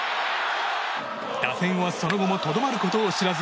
打線は、その後もとどまることを知らず。